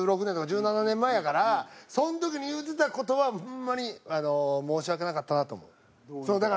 １６年とか１７年前やからその時に言うてた事はホンマに申し訳なかったなと思う。